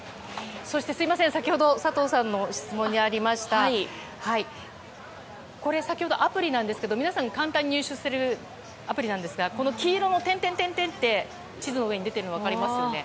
そして、先ほど佐藤さんの質問にありました先ほどのアプリなんですが皆さん、簡単に入手するアプリなんですが黄色で点々って地図に出ているのが分かりますよね。